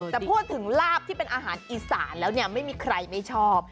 แต่พูดถึงลาบที่เป็นอาหารอีสานแล้วเนี่ยไม่มีใครไม่ชอบ